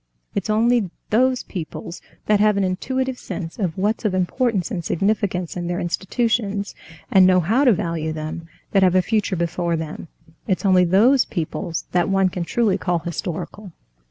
It's only those peoples that have an intuitive sense of what's of importance and significance in their institutions, and know how to value them, that have a future before them—it's only those peoples that one can truly call historical."